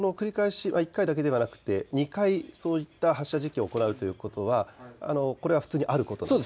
１回だけではなくて２回、そういった発射実験を行うということはこれは普通にあることですか。